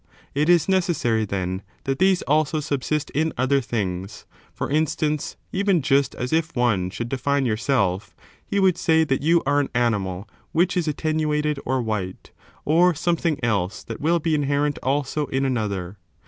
It is necessary, then, that these also subsist in other things ; for instance, even just as if one should define yourself, he would say that you are an animal which is attenuated or white, or something else that will be inherent < Reply to an also in another.